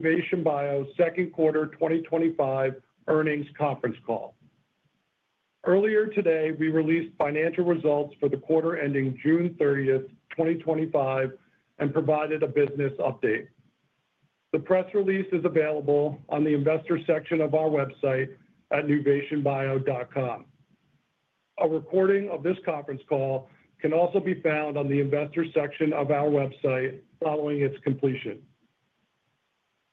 Nuvation Bio Second Quarter 2025 Earnings Conference Call. Earlier today, we released financial results for the quarter ending June 30th 2025, and provided a business update. The press release is available on the investor section of our website at nuvationbio.com. A recording of this conference call can also be found on the investor section of our website following its completion.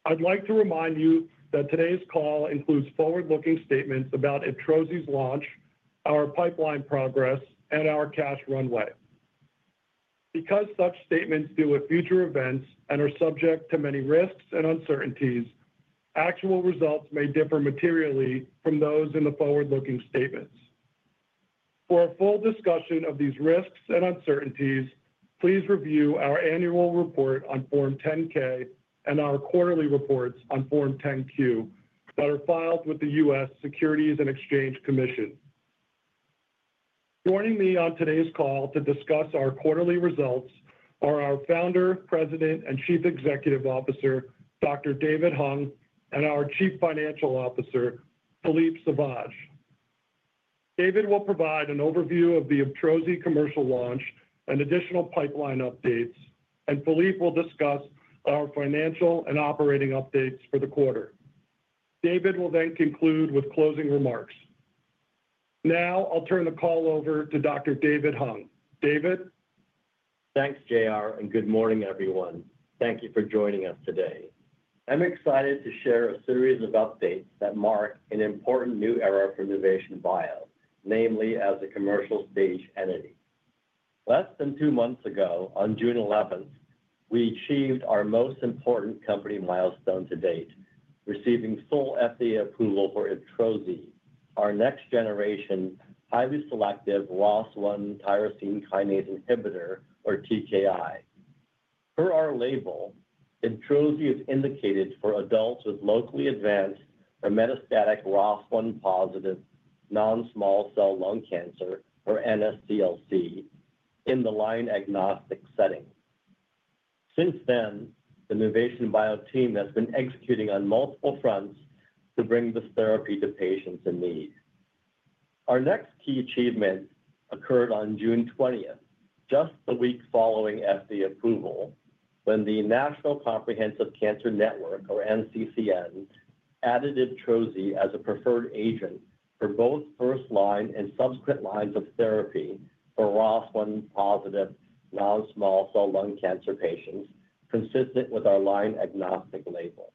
I'd like to remind you that today's call includes forward-looking statements about IBTROZI's launch, our pipeline progress, and our cash runway. Because such statements deal with future events and are subject to many risks and uncertainties, actual results may differ materially from those in the forward-looking statements. For a full discussion of these risks and uncertainties, please review our annual report on Form 10-K and our quarterly reports on Form 10-Q that are filed with the U.S. Securities and Exchange Commission. Joining me on today's call to discuss our quarterly results are our Founder, President, and Chief Executive Officer, Dr. David Hung, and our Chief Financial Officer, Philippe Sauvage. David will provide an overview of the IBTROZI commercial launch and additional pipeline updates, and Philippe will discuss our financial and operating updates for the quarter. David will then conclude with closing remarks. Now, I'll turn the call over to Dr. David Hung. David? Thanks, JR, and good morning, everyone. Thank you for joining us today. I'm excited to share a series of updates that mark an important new era for Nuvation Bio, namely as a commercial-stage entity. Less than two months ago, on June 11th, we achieved our most important company milestone to date, receiving full FDA approval for IBTROZI, our next-generation, highly selective ROS1 tyrosine kinase inhibitor, or TKI. Per our label, IBTROZI is indicated for adults with locally advanced or metastatic ROS1-positive non-small cell lung cancer, or NSCLC, in the line-agnostic setting. Since then, the Nuvation Bio team has been executing on multiple fronts to bring this therapy to patients in need. Our next key achievement occurred on June 20th, just the week following FDA approval, when the National Comprehensive Cancer Network, or NCCN, added IBTROZI as a preferred agent for both first-line and subsequent lines of therapy for ROS1-positive non-small cell lung cancer patients, consistent with our line-agnostic label.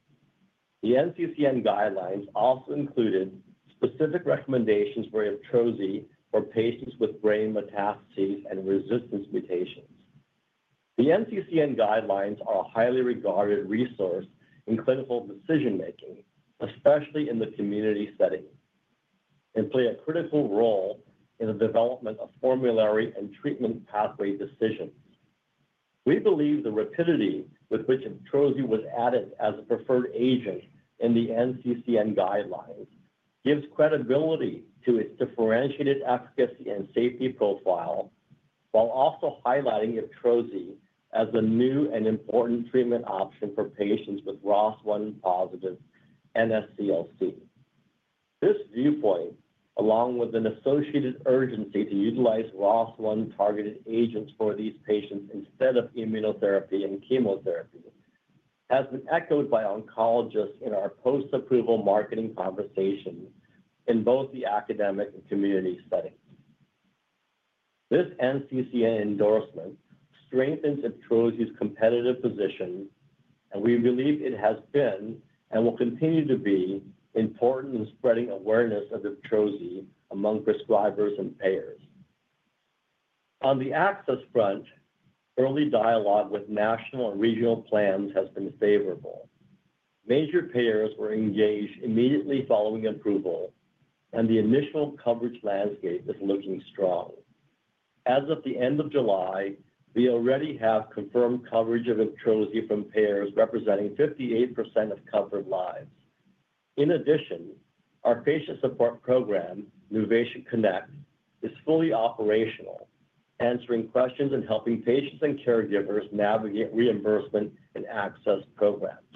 The NCCN guidelines also included specific recommendations for IBTROZI for patients with brain metastases and resistance mutations. The NCCN guidelines are a highly regarded resource in clinical decision-making, especially in the community setting, and play a critical role in the development of formulary and treatment pathway decisions. We believe the rapidity with which IBTROZI was added as a preferred agent in the NCCN guidelines gives credibility to its differentiated efficacy and safety profile, while also highlighting IBTROZI as a new and important treatment option for patients with ROS1-positive NSCLC. This viewpoint, along with an associated urgency to utilize ROS1 targeted agents for these patients instead of immunotherapy and chemotherapy, has been echoed by oncologists in our post-approval marketing conversations in both the academic and community settings. This NCCN endorsement strengthens IBTROZI's competitive position, and we believe it has been and will continue to be important in spreading awareness of IBTROZI among prescribers and payers. On the access front, early dialogue with national and regional plans has been favorable. Major payers were engaged immediately following approval, and the initial coverage landscape is looking strong. As of the end of July, we already have confirmed coverage of IBTROZI from payers representing 58% of covered lives. In addition, our patient support program, Nuvation Connect, is fully operational, answering questions and helping patients and caregivers navigate reimbursement and access programs.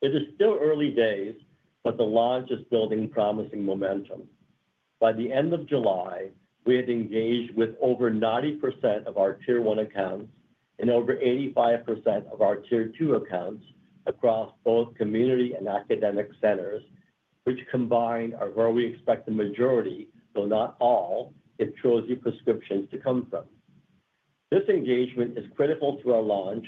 It is still early days, but the launch is building promising momentum. By the end of July, we had engaged with over 90% of our Tier 1 accounts and over 85% of our Tier two accounts across both community and academic centers, which combined are where we expect the majority, though not all, IBTROZI prescriptions to come from. This engagement is critical to our launch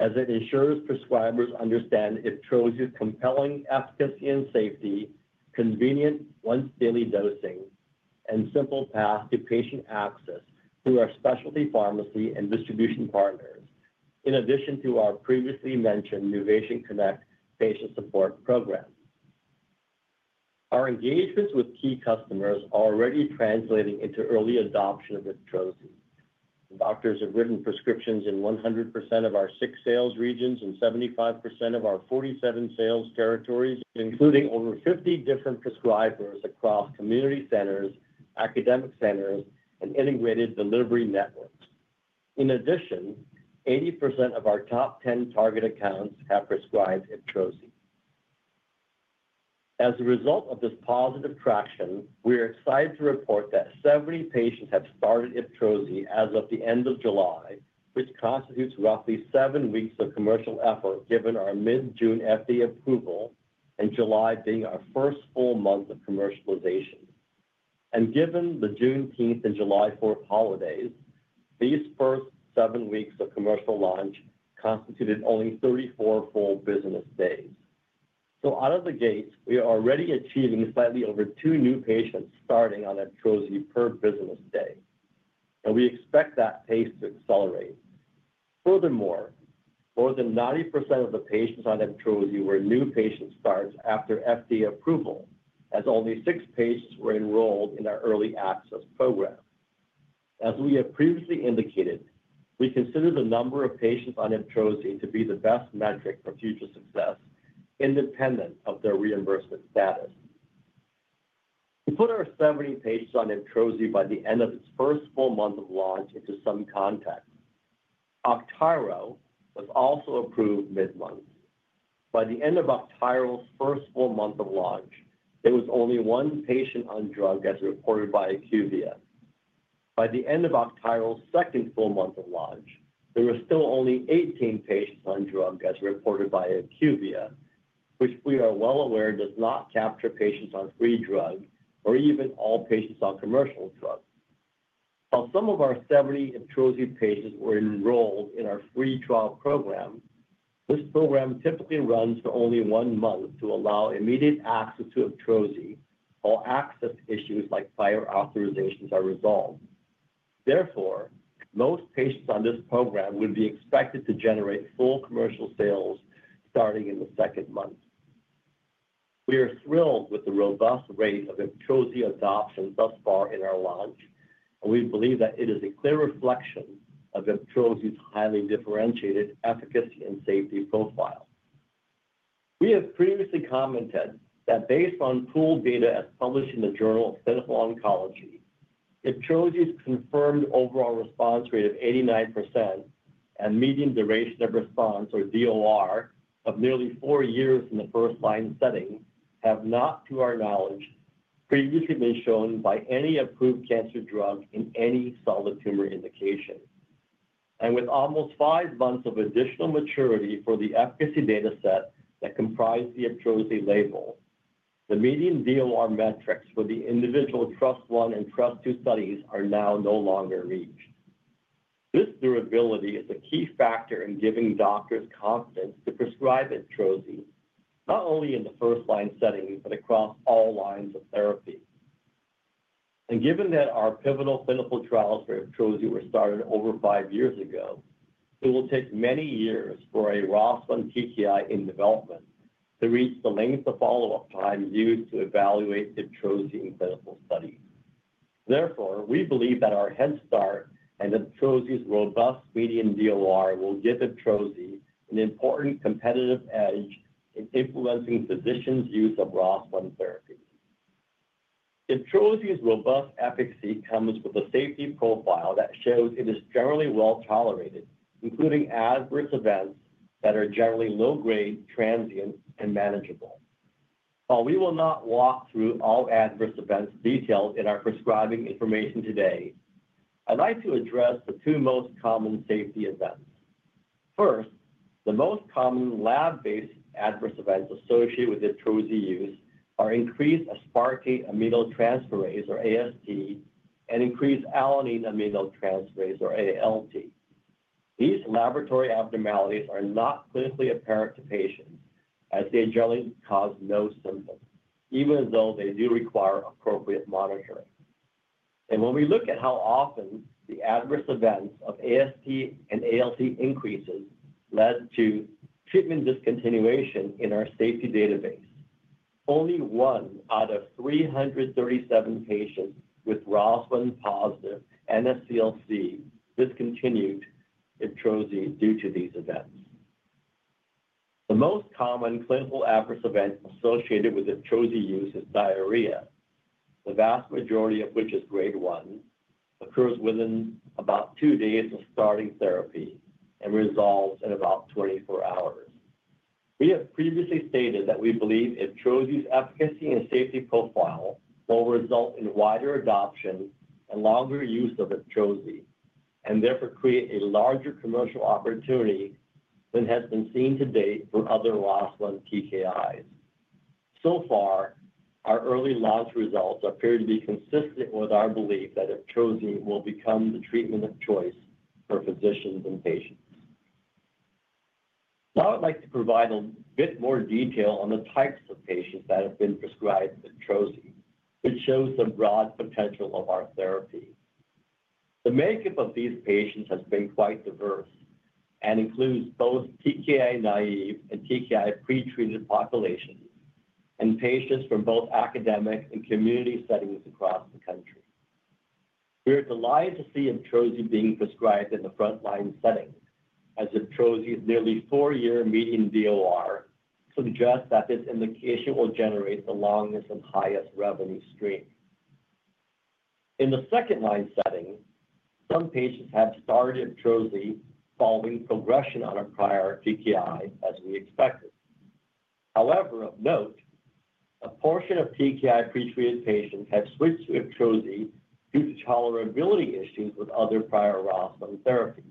as it ensures prescribers understand IBTROZI's compelling efficacy and safety, convenient once-daily dosing, and simple path to patient access through our specialty pharmacy and distribution partners, in addition to our previously mentioned Nuvation Connect patient support program. Our engagements with key customers are already translating into early adoption of IBTROZI. Doctors have written prescriptions in 100% of our six sales regions and 75% of our 47 sales territories, including over 50 different prescribers across community centers, academic centers, and integrated delivery networks. In addition, 80% of our top 10 target accounts have prescribed IBTROZI. As a result of this positive traction, we are excited to report that 70 patients have started IBTROZI as of the end of July, which constitutes roughly seven weeks of commercial effort given our mid-June FDA approval and July being our first full month of commercialization. Given the June 10th and July 4th holidays, these first seven weeks of commercial launch constituted only 34 full business days. Out of the gate, we are already achieving slightly over two new patients starting on IBTROZI per business day, and we expect that pace to accelerate. Furthermore, more than 90% of the patients on IBTROZI were new patient starts after FDA approval, as only six patients were enrolled in our early access program. As we have previously indicated, we consider the number of patients on IBTROZI to be the best metric for future success independent of their reimbursement status. To put our 70 patients on IBTROZI by the end of its first full month of launch into some context, AUGTYRO was also approved mid-month. By the end of AUGTYRO's first full month of launch, there was only one patient on drug as reported by IQVIA. By the end of IBTROZI's second full month of launch, there were still only 18 patients on drug as reported by IQVIA, which we are well aware does not capture patients on free drugs or even all patients on commercial drugs. While some of our 70 IBTROZI patients were enrolled in our free trial program, this program typically runs for only one month to allow immediate access to IBTROZI, all access issues like prior authorizations are resolved. Therefore, most patients on this program would be expected to generate full commercial sales starting in the second month. We are thrilled with the robust rate of IBTROZI adoption thus far in our launch, and we believe that it is a clear reflection of IBTROZI's highly differentiated efficacy and safety profile. We have previously commented that based on pooled data as published in the Journal of Clinical Oncology, IBTROZI's confirmed overall response rate of 89% and median duration of response, or DOR, of nearly four years in the first-line setting have not, to our knowledge, previously been shown by any approved cancer drug in any solid tumor indication. With almost five months of additional maturity for the efficacy data set that comprised the IBTROZI label, the median DOR metrics for the individual TRUST-I and TRUST-II studies are now no longer reached. This durability is a key factor in giving doctors confidence to prescribe IBTROZI, not only in the first-line setting but across all lines of therapy. Given that our pivotal clinical trials for IBTROZI were started over five years ago, it will take many years for a ROS1 TKI in development to reach the length of follow-up time used to evaluate IBTROZI in clinical studies. Therefore, we believe that our head start and IBTROZI's robust median DOR will give IBTROZI an important competitive edge in influencing physicians' use of ROS1 therapy. IBTROZI's robust efficacy comes with a safety profile that shows it is generally well tolerated, including adverse events that are generally low-grade, transient, and manageable. While we will not walk through all adverse events detailed in our prescribing information today, I'd like to address the two most common safety events. First, the most common lab-based adverse events associated with IBTROZI use are increased aspartate aminotransferase, or AST, and increased alanine aminotransferase, or ALT. These laboratory abnormalities are not clinically apparent to patients, as they generally cause no symptoms, even though they do require appropriate monitoring. When we look at how often the adverse events of AST and ALT increases led to treatment discontinuation in our safety database, only one out of 337 patients with ROS1-positive NSCLC discontinued IBTROZI due to these events. The most common clinical adverse event associated with IBTROZI use is diarrhea, the vast majority of which is grade one, occurs within about two days of starting therapy, and resolves in about 24 hours. We have previously stated that we believe IBTROZI's efficacy and safety profile will result in wider adoption and longer use of IBTROZI, and therefore create a larger commercial opportunity than has been seen to date with other ROS1 TKIs. Our early launch results appear to be consistent with our belief that IBTROZI will become the treatment of choice for physicians and patients. Now I'd like to provide a bit more detail on the types of patients that have been prescribed IBTROZI, which shows the broad potential of our therapy. The makeup of these patients has been quite diverse and includes both TKI-naïve and TKI-pretreated populations and patients from both academic and community settings across the country. We are delighted to see IBTROZI being prescribed in the front-line setting, as IBTROZI's nearly four-year median DOR suggests that this indication will generate the longest and highest revenue stream. In the second-line setting, some patients have started IBTROZI following progression on a prior TKI, as we expected. However, of note, a portion of TKI-pretreated patients have switched to IBTROZI due to tolerability issues with other prior ROS1 therapies.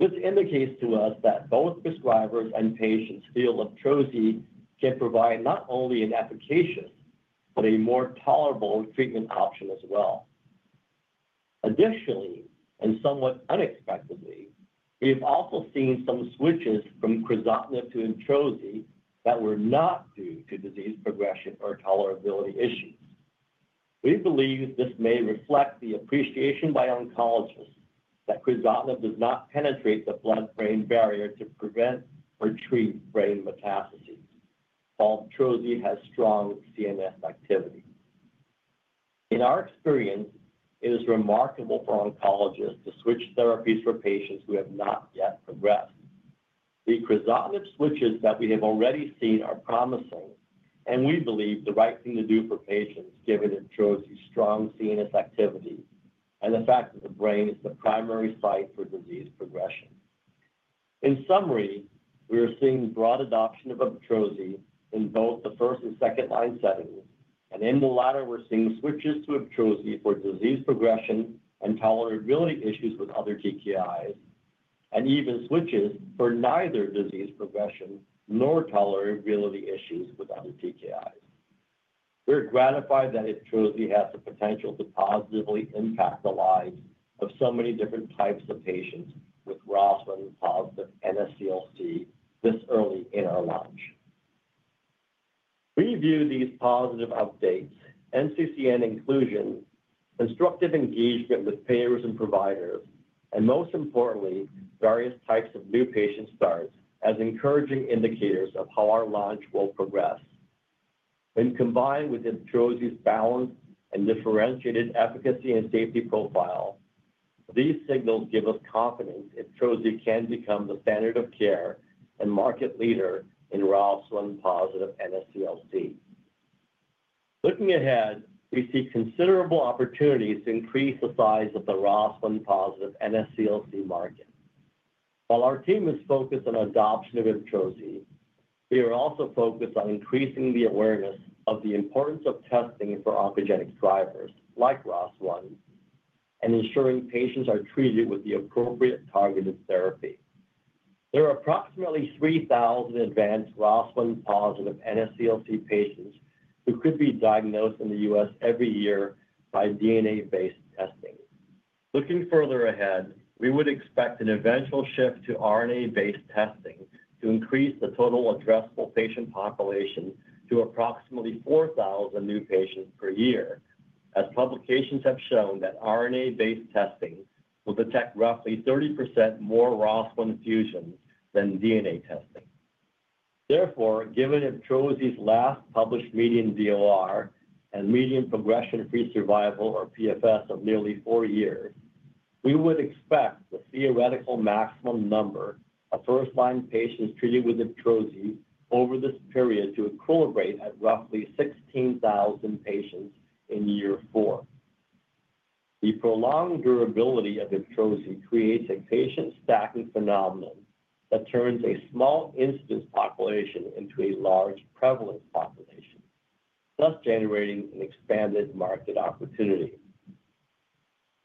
This indicates to us that both prescribers and patients feel IBTROZI can provide not only an efficacious but a more tolerable treatment option as well. Additionally, and somewhat unexpectedly, we have also seen some switches from crizotinib to IBTROZI that were not due to disease progression or tolerability issues. We believe this may reflect the appreciation by oncologists that crizotinib does not penetrate the blood-brain barrier to prevent or treat brain metastases, while IBTROZI has strong CNS activity. In our experience, it is remarkable for oncologists to switch therapies for patients who have not yet progressed. The crizotinib switches that we have already seen are promising, and we believe the right thing to do for patients given IBTROZI's strong CNS activity and the fact that the brain is the primary site for disease progression. In summary, we are seeing broad adoption of IBTROZI in both the first and second-line settings, and in the latter, we're seeing switches to IBTROZI for disease progression and tolerability issues with other TKIs, and even switches for neither disease progression nor tolerability issues with other TKIs. We're gratified that IBTROZI has the potential to positively impact the lives of so many different types of patients with ROS1-positive NSCLC this early in our launch. We view these positive updates, NCCN inclusion, constructive engagement with payers and providers, and most importantly, various types of new patient starts as encouraging indicators of how our launch will progress. When combined with IBTROZI's balanced and differentiated efficacy and safety profile, these signals give us confidence IBTROZI can become the standard of care and market leader in ROS1-positive NSCLC. Looking ahead, we see considerable opportunities to increase the size of the ROS1-positive NSCLC market. While our team is focused on adoption of IBTROZI, we are also focused on increasing the awareness of the importance of testing for oncogenic drivers like ROS1 and ensuring patients are treated with the appropriate targeted therapy. There are approximately 3,000 advanced ROS1-positive NSCLC patients who could be diagnosed in the U.S. every year by DNA-based testing. Looking further ahead, we would expect an eventual shift to RNA-based testing to increase the total addressable patient population to approximately 4,000 new patients per year, as publications have shown that RNA-based testing will detect roughly 30% more ROS1 fusions than DNA testing. Therefore, given IBTROZI's last published median DOR and median progression-free survival, or PFS, of nearly four years, we would expect the theoretical maximum number of first-line patients treated with IBTROZI over this period to a current rate of roughly 16,000 patients in year four. The prolonged durability of IBTROZI creates a patient stacking phenomenon that turns a small incidence population into a large prevalent population, thus generating an expanded market opportunity.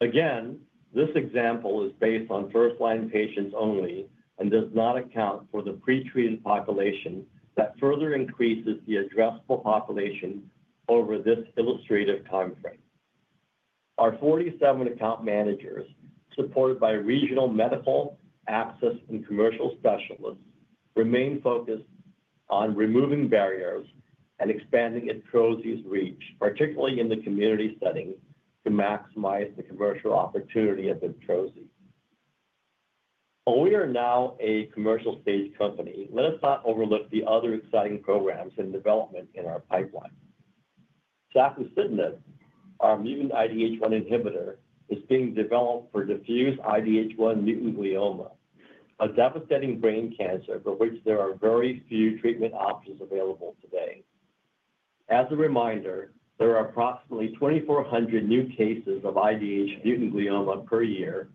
Again, this example is based on first-line patients only and does not account for the pretreated population that further increases the addressable population over this illustrative timeframe. Our 47 account managers, supported by regional medical, access, and commercial specialists, remain focused on removing barriers and expanding IBTROZI's reach, particularly in the community setting, to maximize the commercial opportunity of IBTROZI. While we are now a commercial-stage company, let us not overlook the other exciting programs in development in our pipeline. safusidenib, our mutant IDH1 inhibitor, is being developed for diffuse IDH1 mutant glioma, a devastating brain cancer for which there are very few treatment options available today. As a reminder, there are approximately 2,400 new cases of IDH mutant glioma per year,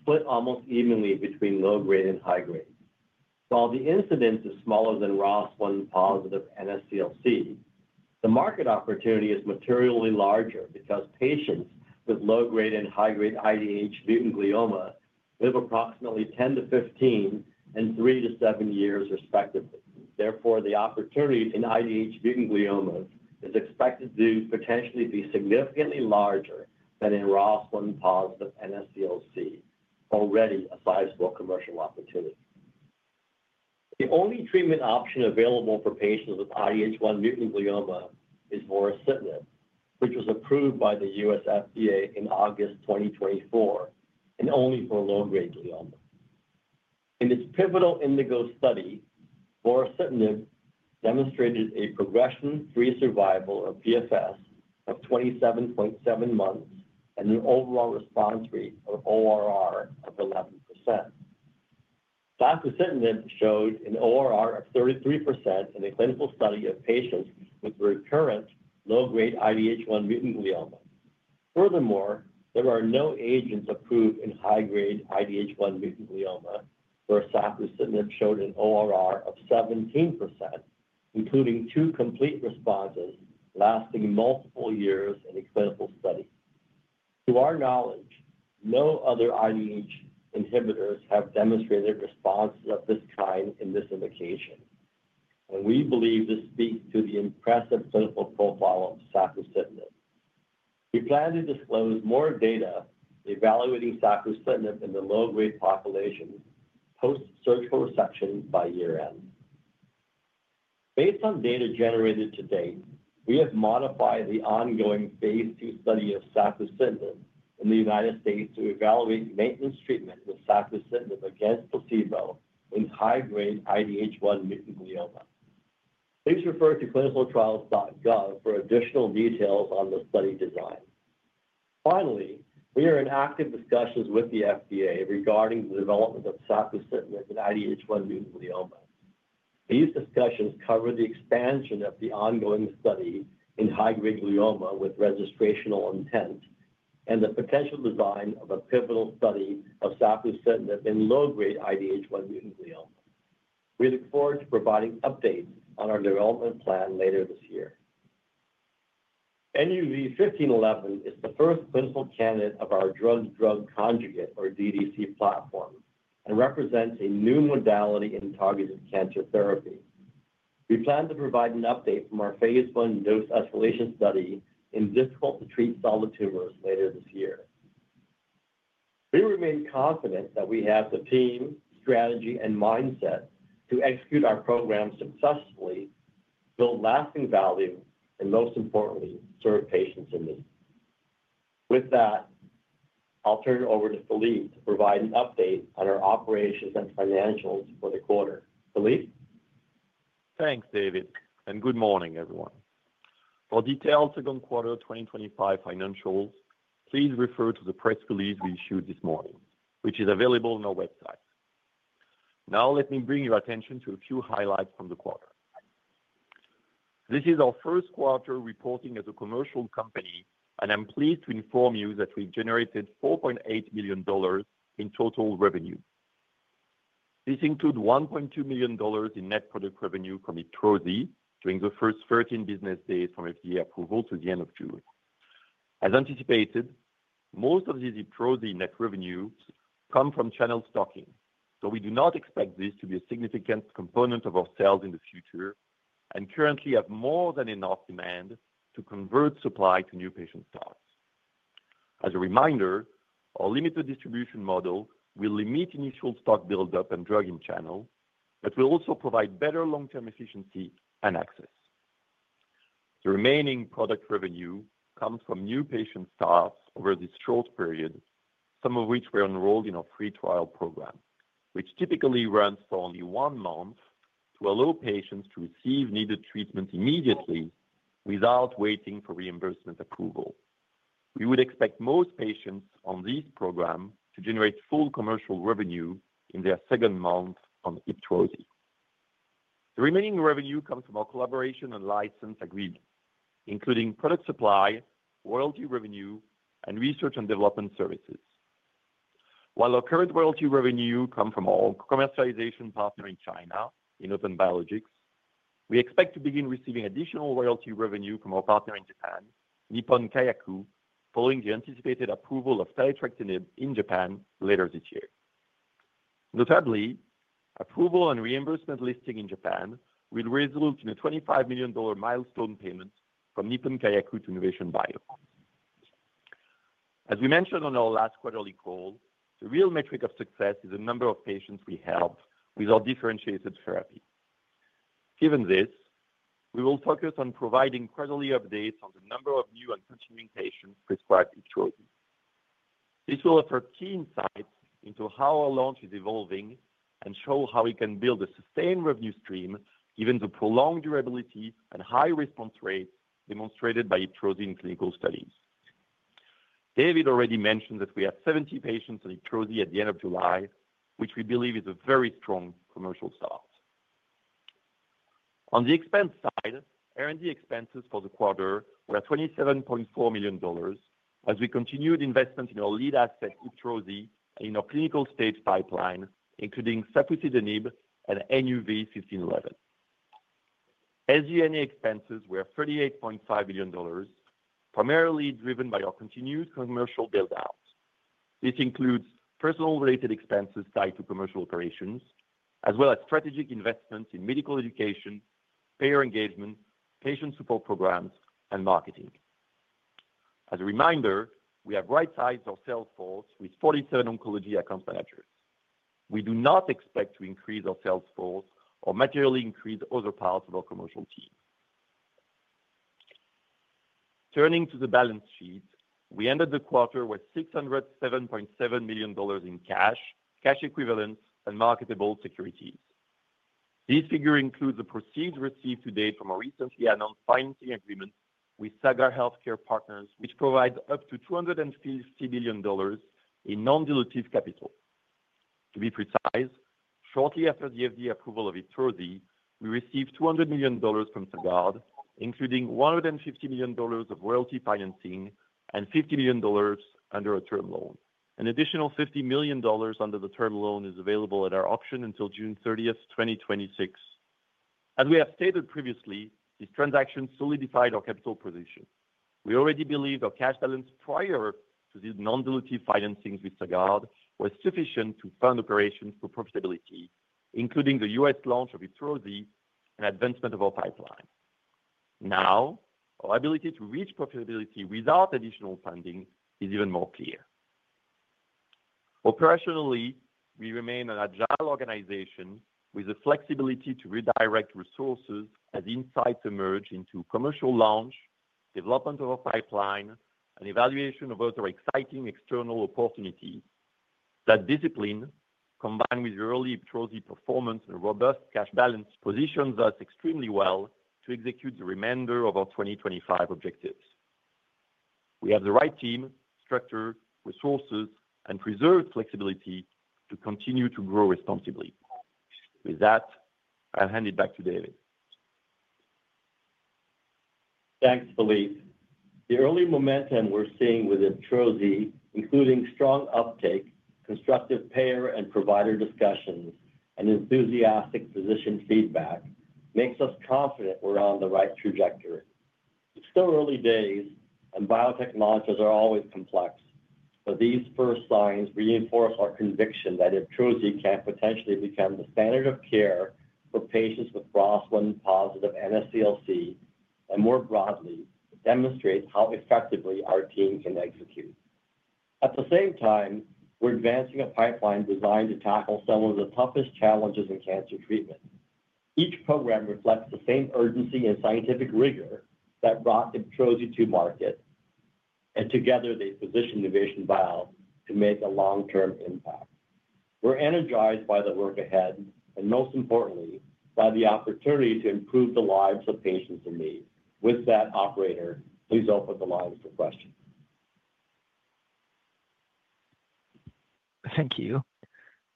split almost evenly between low-grade and high-grade. While the incidence is smaller than ROS1-positive NSCLC, the market opportunity is materially larger because patients with low-grade and high-grade IDH mutant glioma live approximately 10 years-15 years and 3 years-7 years, respectively. Therefore, the opportunity in IDH mutant glioma is expected to potentially be significantly larger than in ROS1-positive NSCLC, already a sizable commercial opportunity. The only treatment option available for patients with IDH1 mutant glioma is vorasidenib, which was approved by the U.S. FDA in August 2024, and only for low-grade glioma. In this pivotal INDIGO study, vorasidenib demonstrated a progression-free survival or PFS of 27.7 months and an overall response rate or ORR of 11%. safusidenib showed an ORR of 33% in a clinical study of patients with recurrent low-grade IDH1 mutant glioma. Furthermore, there are no agents approved in high-grade IDH1 mutant glioma, where safusidenib showed an ORR of 17%, including two complete responses lasting multiple years in a clinical study. To our knowledge, no other IDH1 inhibitors have demonstrated responses of this kind in this indication, and we believe this speaks to the impressive clinical profile of safusidenib. We plan to disclose more data evaluating safusidenib in the low-grade population post-surgical resection by year end. Based on data generated to date, we have modified the ongoing phase II study of safusidenib in the United States to evaluate maintenance treatment with safusidenib against placebo in high-grade IDH1 mutant glioma. Please refer to clinicaltrials.gov for additional details on the study design. Finally, we are in active discussions with the FDA regarding the development of safusidenib in IDH1 mutant glioma. These discussions cover the expansion of the ongoing study in high-grade glioma with registrational intent and the potential design of a pivotal study of safusidenib in low-grade IDH1 mutant glioma. We look forward to providing updates on our development plan later this year. NUV-1511 is the first clinical candidate of our drug-drug conjugate, or DDC, platform and represents a new modality in targeted cancer therapy. We plan to provide an update from our phase I dose escalation study in difficult-to-treat solid tumors later this year. We remain confident that we have the team, strategy, and mindset to execute our program successfully, build lasting value, and most importantly, serve patients in need. With that, I'll turn it over to Philippe to provide an update on our operations and financials for the quarter. Philippe? Thanks, David, and good morning, everyone. For details on quarter 2025 financials, please refer to the press release we issued this morning, which is available on our website. Now, let me bring your attention to a few highlights from the quarter. This is our first quarter reporting as a commercial company, and I'm pleased to inform you that we've generated $4.8 million in total revenue. This includes $1.2 million in net product revenue from IBTROZI during the first 13 business days from FDA approval to the end of June. As anticipated, most of these IBTROZI net revenues come from channel stocking, so we do not expect this to be a significant component of our sales in the future and currently have more than enough demand to convert supply to new patient stocks. As a reminder, our limited distribution model will limit initial stock buildup and drug in channel, but will also provide better long-term efficiency and access. The remaining product revenue comes from new patient stocks over this short period, some of which were enrolled in our free trial program, which typically runs for only one month, where we allow patients to receive needed treatments immediately without waiting for reimbursement approval. We would expect most patients on this program to generate full commercial revenue in their second month on IBTROZI. The remaining revenue comes from our collaboration and license agreements, including product supply, royalty revenue, and research and development services. While our current royalty revenue comes from our commercialization partner in China, Innovent Biologics, we expect to begin receiving additional royalty revenue from our partner in Japan, Nippon Kayaku, following the anticipated approval of taletrectinib in Japan later this year. Notably, approval and reimbursement listing in Japan will result in a $25 million milestone payment from Nippon Kayaku to Nuvation Bio. As we mentioned on our last quarterly call, the real metric of success is the number of patients we help with our differentiated therapy. Given this, we will focus on providing quarterly updates on the number of new and continuing patients prescribed IBTROZI. This will offer key insights into how our launch is evolving and show how we can build a sustained revenue stream given the prolonged durability and high response rate demonstrated by IBTROZI in clinical studies. David already mentioned that we have 70 patients on IBTROZI at the end of July, which we believe is a very strong commercial start. On the expense side, R&D expenses for the quarter were $27.4 million, as we continued investment in our lead asset, IBTROZI, and in our clinical stage pipeline, including safusidenib and NUV-1511. SG&A expenses were $38.5 million, primarily driven by our continued commercial buildout. This includes personnel-related expenses tied to commercial operations, as well as strategic investments in medical education, payer engagement, patient support programs, and marketing. As a reminder, we have right-sized our sales force with 47 oncology account managers. We do not expect to increase our sales force or materially increase other parts of our commercial team. Turning to the balance sheet, we ended the quarter with $607.7 million in cash, cash equivalents, and marketable securities. This figure includes the proceeds received to date from our recently announced financing agreement with Sagard Healthcare Partners, which provides up to $250 million in non-dilutive capital. To be precise, shortly after the FDA approval of IBTROZI, we received $200 million from Sagard, including $150 million of royalty financing and $50 million under a term loan. An additional $50 million under the term loan is available at our option until June 30th 2026. As we have stated previously, this transaction solidified our capital position. We already believe our cash balance prior to these non-dilutive financings with Sagard was sufficient to fund operations for profitability, including the U.S. launch of IBTROZI and advancement of our pipeline. Now, our ability to reach profitability without additional funding is even more clear. Operationally, we remain an agile organization with the flexibility to redirect resources as insights emerge into commercial launch, development of our pipeline, and evaluation of other exciting external opportunities. That discipline, combined with early IBTROZI performance and a robust cash balance, positions us extremely well to execute the remainder of our 2025 objectives. We have the right team, structure, resources, and preserved flexibility to continue to grow responsibly. With that, I'll hand it back to David. Thanks, Philippe. The early momentum we're seeing with IBTROZI, including strong uptake, constructive payer and provider discussions, and enthusiastic physician feedback, makes us confident we're on the right trajectory. It's still early days, and biotechnologies are always complex, but these first signs reinforce our conviction that IBTROZI can potentially become the standard of care for patients with ROS1-positive NSCLC and more broadly, demonstrate how effectively our team can execute. At the same time, we're advancing a pipeline designed to tackle some of the toughest challenges in cancer treatment. Each program reflects the same urgency and scientific rigor that brought IBTROZI to market, and together they position Nuvation Bio to make a long-term impact. We're energized by the work ahead and, most importantly, by the opportunity to improve the lives of patients in need. With that, operator, please open the line for questions. Thank you.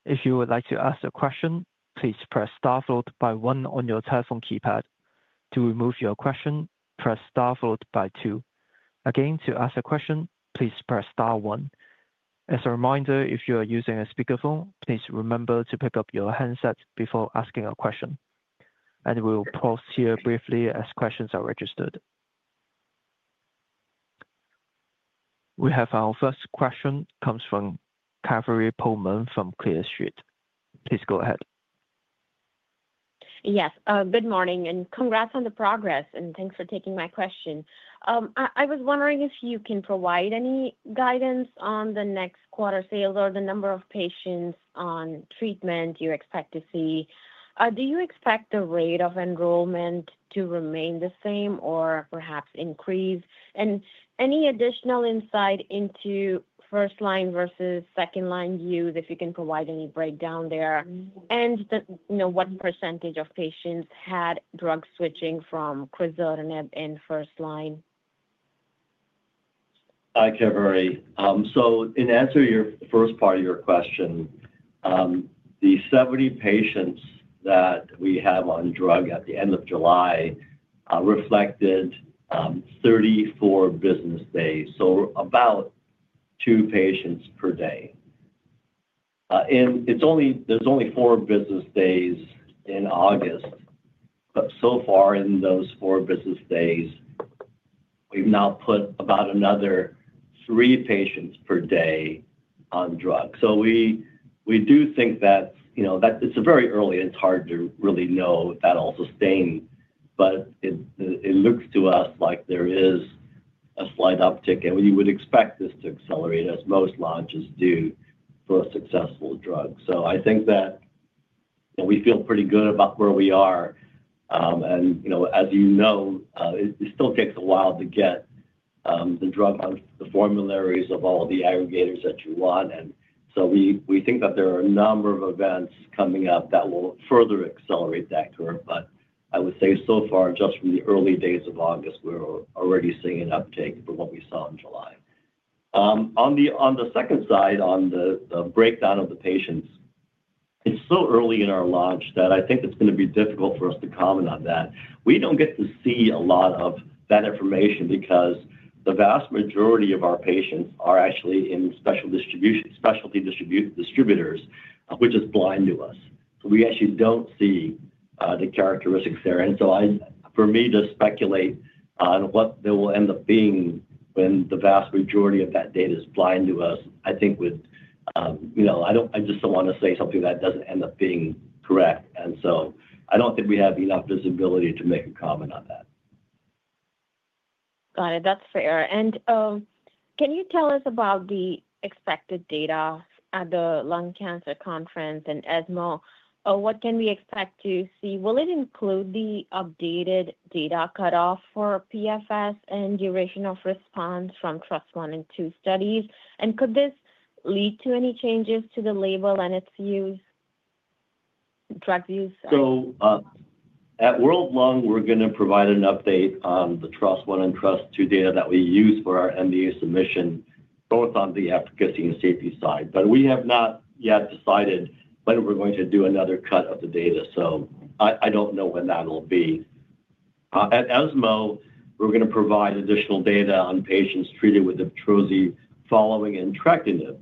If you would like to ask a question, please press star followed by one on your telephone keypad. To remove your question, press star followed by two. Again, to ask a question, please press star one. As a reminder, if you are using a speakerphone, please remember to pick up your headset before asking a question. We'll pause here briefly as questions are registered. We have our first question comes from Catherine Pullman from Clear Street. Please go ahead. Yes. Good morning, and congrats on the progress, and thanks for taking my question. I was wondering if you can provide any guidance on the next quarter sales or the number of patients on treatment you expect to see. Do you expect the rate of enrollment to remain the same or perhaps increase? Any additional insight into first-line versus second-line use, if you can provide any breakdown there, and what percentage of patients had drug switching from crizotinib in first-line? Hi, Kaveri. In answer to your first part of your question, the 70 patients that we have on drug at the end of July reflected 34 business days, so about two patients per day. There are only four business days in August. In those four business days, we've now put about another three patients per day on drug. We do think that it's very early and it's hard to really know that will all be sustained, but it looks to us like there is a slight uptick, and we would expect this to accelerate as most launches do for a successful drug. I think that we feel pretty good about where we are. As you know, it still takes a while to get the drug on the formularies of all of the aggregators that you want. We think that there are a number of events coming up that will further accelerate that curve. I would say so far, just from the early days of August, we're already seeing an uptake from what we saw in July. On the second side, on the breakdown of the patients, it's so early in our launch that I think it's going to be difficult for us to comment on that. We don't get to see a lot of that information because the vast majority of our patients are actually in specialty distributors, which is blind to us. We actually don't see the characteristics there. For me to speculate on what there will end up being when the vast majority of that data is blind to us, I think I just don't want to say something that doesn't end up being correct. I don't think we have enough visibility to make a comment on that. Got it. That's fair. Can you tell us about the expected data at the Lung Cancer Conference and ESMO? What can we expect to see? Will it include the updated data cutoff for PFS and duration of response from TRUST-I and II studies? Could this lead to any changes to the label and its use, drug use? At World Lung, we're going to provide an update on the TRUST-I and TRUST-II data that we use for our MBA submission, both on the efficacy and safety side. We have not yet decided when we're going to do another cut of the data, so I don't know when that will be. At ESMO, we're going to provide additional data on patients treated with IBTROZI following entrectinib.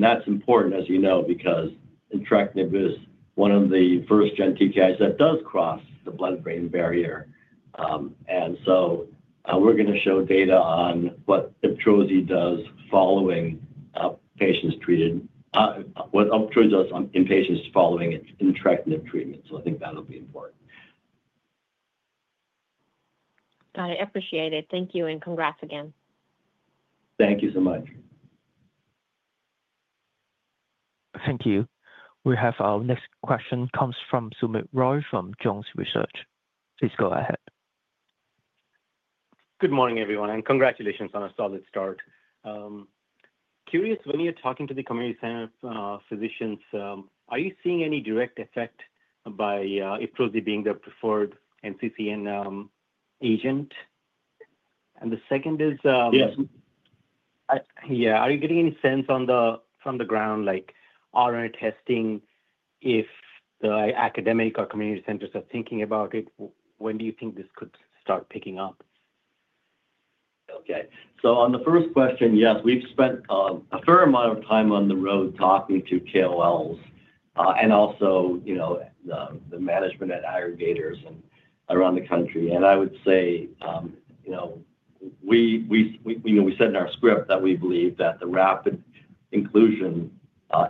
That's important, as you know, because entrectinib is one of the first gen TKIs that does cross the blood-brain barrier, and we're going to show data on what IBTROZI does in patients following entrectinib treatment. I think that'll be important. Got it. Appreciate it. Thank you and congrats again. Thank you so much. Thank you. We have our next question from Sumit Roy from Jones Research. Please go ahead. Good morning, everyone, and congratulations on a solid start. Curious, when you're talking to the community center physicians, are you seeing any direct effect by IBTROZI being the preferred NCCN agent? The second is, are you getting any sense from the ground, like RNA-based testing, if the academic or community centers are thinking about it, when do you think this could start picking up? Okay. On the first question, yes, we've spent a fair amount of time on the road talking to KOLs and also the management at aggregators around the country. I would say, we said in our script that we believe that the rapid inclusion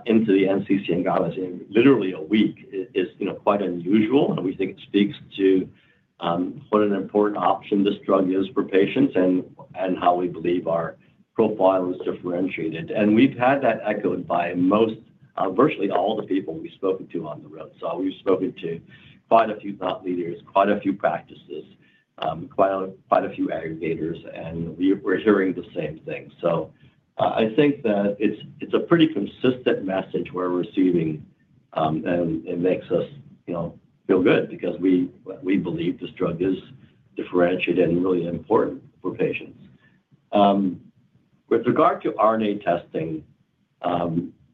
into the NCCN guidelines in literally a week is quite unusual. We think it speaks to what an important option this drug is for patients and how we believe our profile is differentiated. We've had that echoed by most, virtually all the people we've spoken to on the road. We've spoken to quite a few thought leaders, quite a few practices, quite a few aggregators, and we're hearing the same thing. I think that it's a pretty consistent message we're receiving, and it makes us feel good because we believe this drug is differentiated and really important for patients. With regard to RNA testing,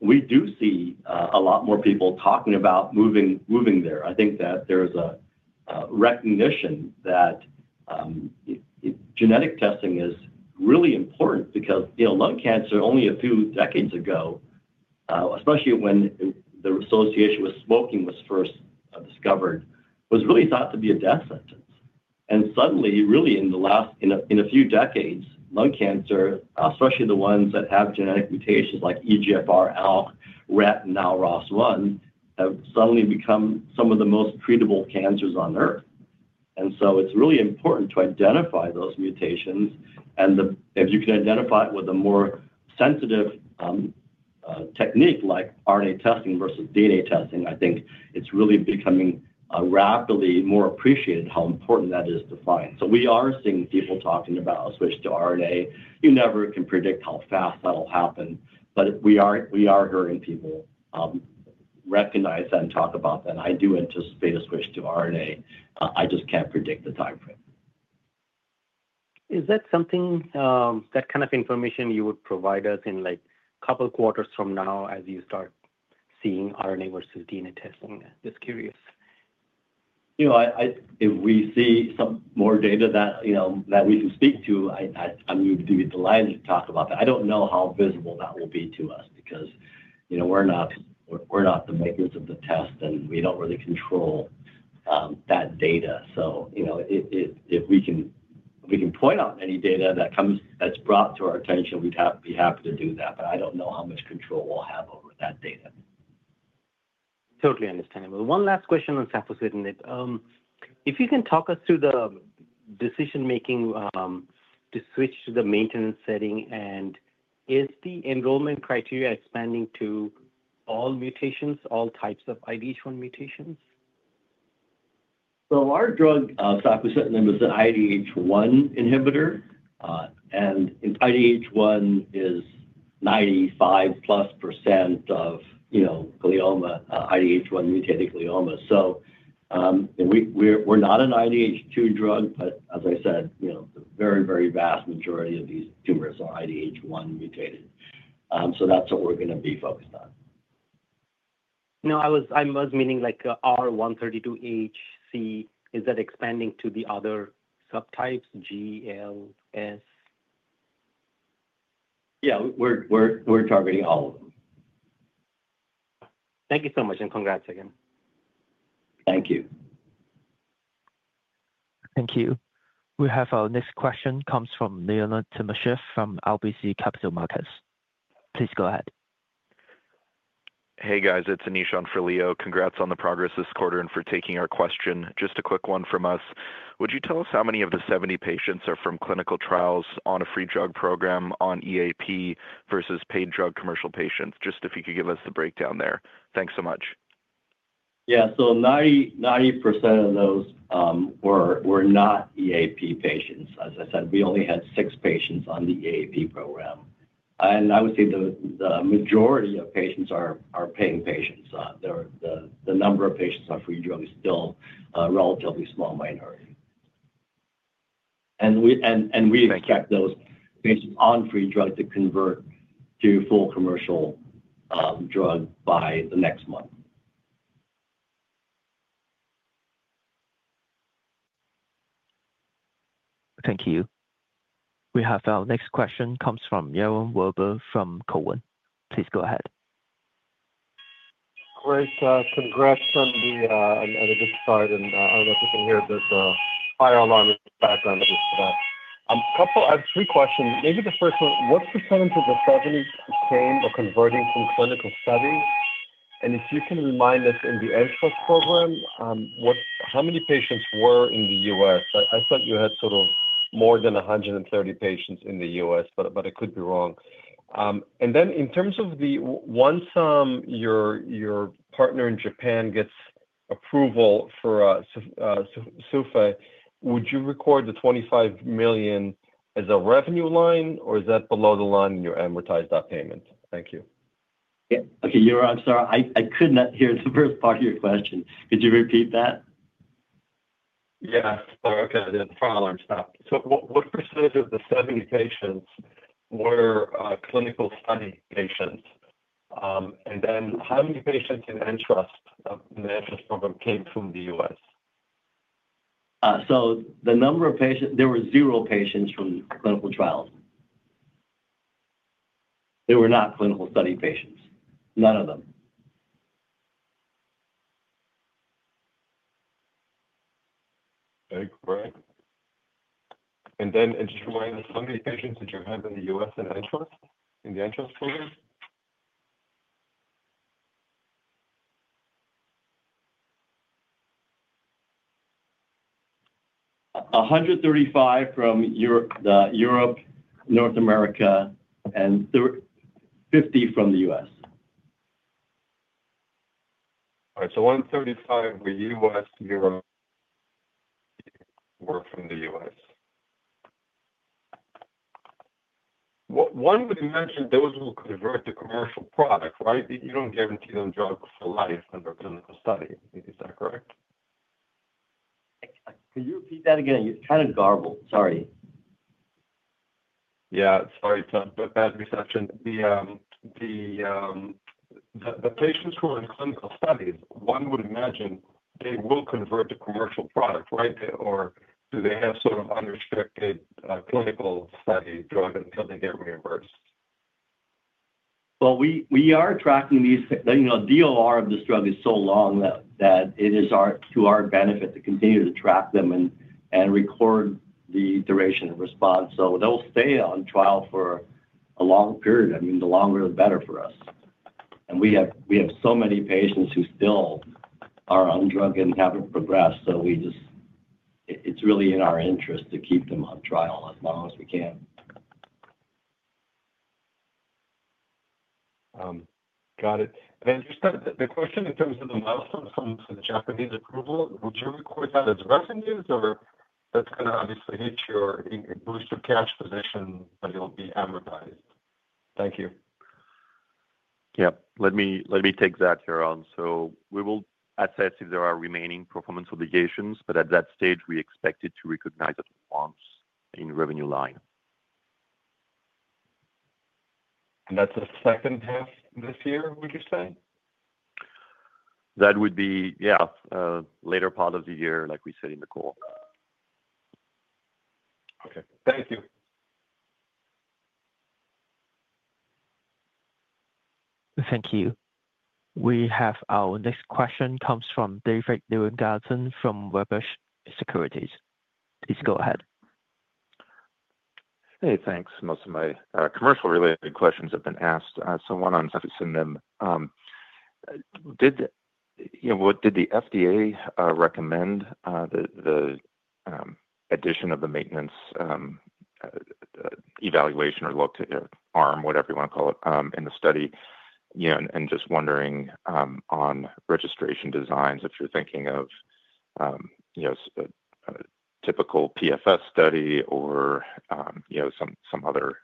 we do see a lot more people talking about moving there. I think that there's a recognition that genetic testing is really important because lung cancer, only a few decades ago, especially when the association with smoking was first discovered, was really thought to be a death sentence. Suddenly, in the last few decades, lung cancer, especially the ones that have genetic mutations like EGFR, ALK, RET, and now ROS1, have suddenly become some of the most treatable cancers on Earth. It's really important to identify those mutations. If you can identify it with a more sensitive technique like RNA testing versus DNA testing, I think it's really becoming rapidly more appreciated how important that is to find. We are seeing people talking about a switch to RNA. You never can predict how fast that'll happen, but we are hearing people recognize that and talk about that. I do anticipate a switch to RNA. I just can't predict the timeframe. Is that something that kind of information you would provide us in a couple of quarters from now as you start seeing RNA-based testing versus DNA testing? Just curious. If we see some more data that we can speak to, I'm happy to be delighted to talk about that. I don't know how visible that will be to us because we're not the makers of the test, and we don't really control that data. If we can point out any data that comes that's brought to our attention, we'd be happy to do that. I don't know how much control we'll have over that data. Totally understandable. One last question on safusidenib. If you can talk us through the decision-making to switch to the maintenance setting, and is the enrollment criteria expanding to all mutations, all types of IDH1 mutations? Our drug is an IDH1 inhibitor. IDH1 is 95+% of, you know, glioma, IDH1-mutated glioma. We're not an IDH2 drug, but as I said, the very, very vast majority of these tumors are IDH1-mutated. That's what we're going to be focused on. I was meaning like R132HC. Is that expanding to the other subtypes, GLS? Yeah, we're targeting all of them. Thank you so much, and congrats again. Thank you. Thank you. We have our next question from Leonid Timashev from RBC Capital Markets. Please go ahead. Hey, guys, it's Anish on for Leo. Congrats on the progress this quarter and for taking our question. Just a quick one from us. Would you tell us how many of the 70 patients are from clinical trials, on a free drug program, on EAP, versus paid drug commercial patients? Just if you could give us the breakdown there. Thanks so much. Yeah, 90% of those were not EAP patients. As I said, we only had six patients on the EAP program. I would say the majority of patients are paying patients. The number of patients on free drugs is still a relatively small minority, and we expect those patients on free drugs to convert to full commercial drugs by the next month. Thank you. We have our next question from Yaron Wilbur from Cowen. Please go ahead. Great. Congrats on the good side. I don't know if you can hear it, but the fire alarm is background. I'm just going to ask three questions. Maybe the first one, what percentage of the 70s came or converted from clinical studies? If you can remind us in the ENTRUST program, how many patients were in the U.S.? I thought you had sort of more than 130 patients in the U.S., but I could be wrong. In terms of once your partner in Japan gets approval for SUFA, would you record the $25 million as a revenue line, or is that below the line and you amortize that payment? Thank you. Okay, sir. I could not hear the first part of your question. Could you repeat that? Yeah, sorry. Okay, yeah, the fire alarm stopped. What percentage of the 70 patients were clinical study patients, and then how many patients in ENTRUST, the ENTRUST program, came from the U.S.? The number of patients, there were zero patients from clinical trials. They were not clinical study patients, none of them. Okay. Great. Just remind us, how many patients did you have in the U.S. and ENTRUST in the ENTRUST program? 135 from Europe, North America, and 50 from the U.S.. All right. So 135 in the U.S., Europe were from the U.S. One was mentioned, those who convert to commercial products, right? You don't guarantee them jobs for life under clinical study. Is that correct? Can you repeat that again? You sounded garbled. Sorry. Sorry, bad reception. The patients who are in clinical studies, one would imagine they will convert to commercial products, right? Or do they have sort of unrestricted clinical study drug until they get reimbursed? We are tracking these, you know, DOR of this drug is so long that it is to our benefit to continue to track them and record the duration of response. They'll stay on trial for a long period. I mean, the longer, the better for us. We have so many patients who still are on drug and haven't progressed. It's really in our interest to keep them on trial as long as we can. Got it. Just the question in terms of the milestones from the Japanese approval, would you record that as revenues, or is that going to obviously hit your boost of cash position, and it'll be amortized? Thank you. Let me take that here. We will assess if there are remaining performance obligations, but at that stage, we expect to recognize it once in the revenue line. That's the second half this year, would you say? That would be later part of the year, like we said in the call. Okay. Thank you. Thank you. We have our next question from David Nierengarten from Wedbush Securities. Please go ahead. Hey, thanks. Most of my commercial-related questions have been asked. One on safusidenib. What did the FDA recommend, the addition of the maintenance evaluation or look to ARM, whatever you want to call it, in the study? Just wondering on registration designs if you're thinking of a typical PFS study or some other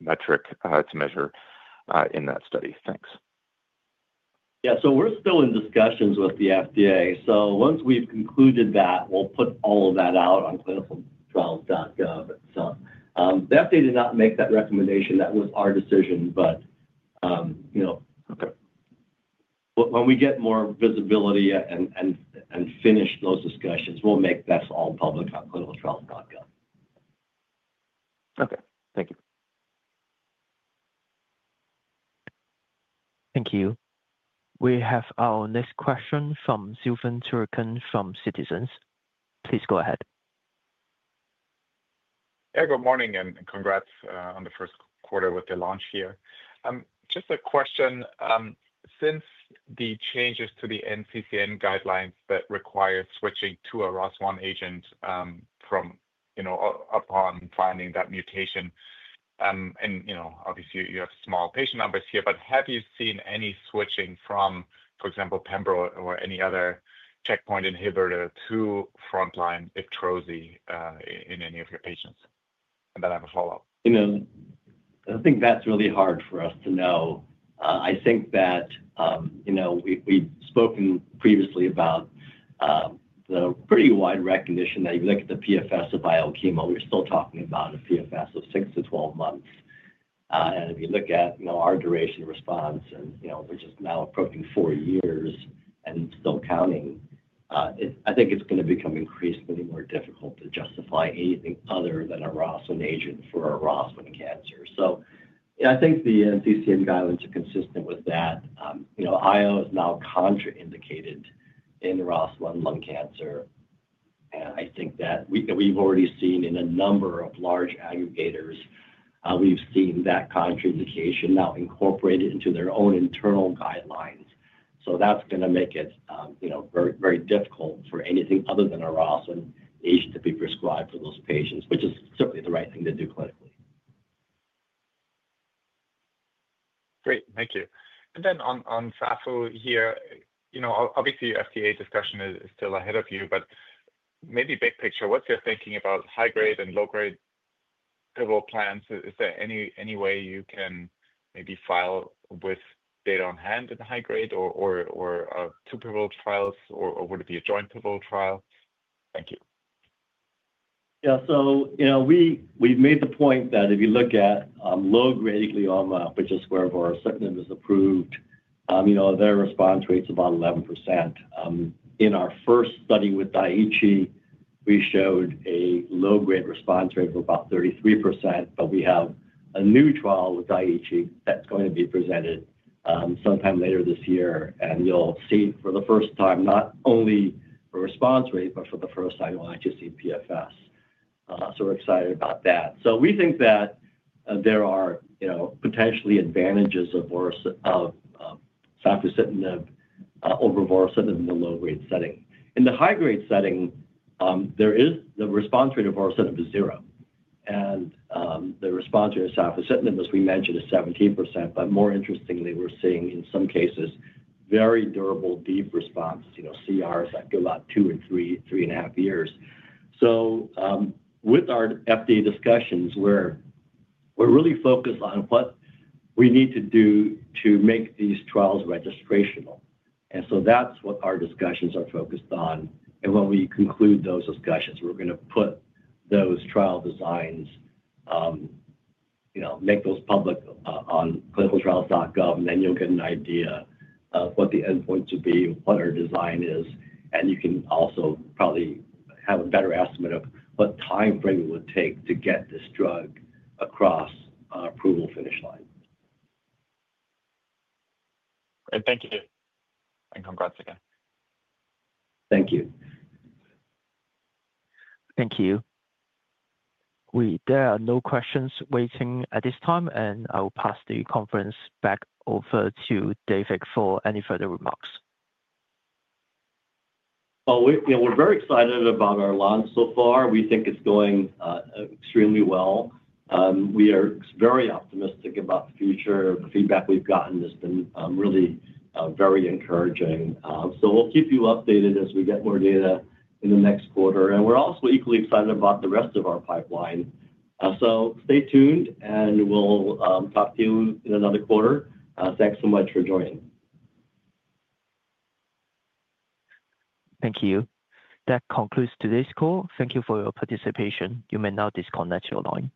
metric to measure in that study. Thanks. Yeah. We're still in discussions with the FDA. Once we've concluded that, we'll put all of that out on clinicaltrials.gov. The FDA did not make that recommendation. That was our decision, but when we get more visibility and finish those discussions, we'll make that all public on clinicaltrials.gov. Okay. Thank you. Thank you. We have our next question from [Susan Turcan] from [Citizens]. Please go ahead. Good morning, and congrats on the first quarter with the launch here. Just a question. Since the changes to the NCCN guidelines that require switching to a ROS1 agent upon finding that mutation, and obviously, you have small patient numbers here, have you seen any switching from, for example, pembro or any other checkpoint inhibitor to frontline IBTROZI in any of your patients? I have a follow-up. I think that's really hard for us to know. I think that we've spoken previously about the pretty wide recognition that if you look at the PFS of biochemo, we're still talking about a PFS of six to 12 months. If you look at our duration of response, we're just now approaching four years and still counting. I think it's going to become increasingly more difficult to justify anything other than a ROS1 agent for a ROS1 cancer. The NCCN guidelines are consistent with that. IO is now contraindicated in ROS1 lung cancer. I think that we've already seen in a number of large aggregators, we've seen that contraindication now incorporated into their own internal guidelines. That's going to make it very, very difficult for anything other than a ROS1 agent to be prescribed for those patients, which is certainly the right thing to do clinically. Great. Thank you. On safusidenib here, obviously, your FDA discussion is still ahead of you, but maybe big picture, what's your thinking about high-grade and low-grade pivotal plans? Is there any way you can maybe file with data on hand in the high-grade or two pivotal trials, or would it be a joint pivotal trial? Thank you. Yeah. So, you know, we've made the point that if you look at low-grade glioma, which is where vorasidenib is approved, their response rate is about 11%. In our first study with Daiichi, we showed a low-grade response rate of about 33%. We have a new trial with Daiichi that's going to be presented sometime later this year, and you'll see for the first time not only a response rate, but for the first time, you'll actually see PFS. We're excited about that. We think that there are potentially advantages of vorasidenib over vorasidenib in the low-grade setting. In the high-grade setting, the response rate of vorasidenib is zero, and the response rate of safusidenib, as we mentioned, is 17%. More interestingly, we're seeing in some cases very durable, deep responses, CRs that go out two and three, three and a half years. With our FDA discussions, we're really focused on what we need to do to make these trials registrational. That's what our discussions are focused on. When we conclude those discussions, we're going to put those trial designs, you know, make those public on clinicaltrials.gov, and then you'll get an idea of what the endpoint will be, what our design is, and you can also probably have a better estimate of what timeframe it would take to get this drug across the approval finish line. Great. Thank you. Congrats again. Thank you. Thank you. There are no questions waiting at this time, and I'll pass the conference back over to David for any further remarks. We are very excited about our launch so far. We think it's going extremely well. We are very optimistic about the future. Feedback we've gotten has been really very encouraging. We will keep you updated as we get more data in the next quarter. We are also equally excited about the rest of our pipeline. Stay tuned, and we'll talk to you in another quarter. Thanks so much for joining. Thank you. That concludes today's call. Thank you for your participation. You may now disconnect your line.